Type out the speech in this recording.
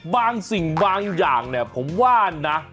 บางสิ่งบางอย่างเนี่ยผมว่านะ